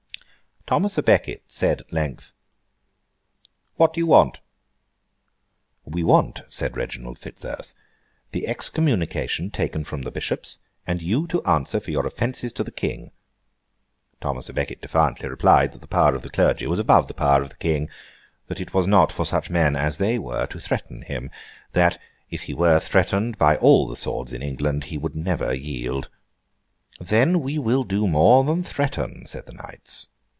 Thomas à Becket said, at length, 'What do you want?' 'We want,' said Reginald Fitzurse, 'the excommunication taken from the Bishops, and you to answer for your offences to the King.' Thomas à Becket defiantly replied, that the power of the clergy was above the power of the King. That it was not for such men as they were, to threaten him. That if he were threatened by all the swords in England, he would never yield. 'Then we will do more than threaten!' said the knights.